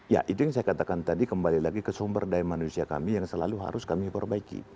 ya itu yang saya katakan tadi kembali lagi ke sumber daya manusia kami yang selalu harus kami perbaiki